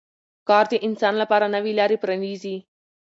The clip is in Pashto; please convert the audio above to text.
کار د انسان لپاره نوې لارې پرانیزي